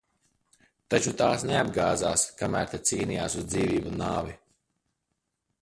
Taču tās neapgāzās, kamēr te cīnījās uz dzīvību un nāvi?